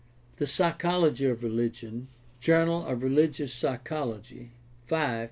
• "The Psychology of Religion," Journal of Religious Psychology, V, 386.